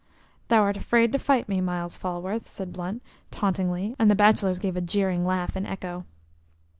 "Thou art afraid to fight me, Myles Falworth," said Blunt, tauntingly, and the bachelors gave a jeering laugh in echo.